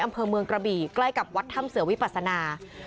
อำเภอเมืองกระบี่ใกล้กับวัดถ้ำเสือวิปัสนา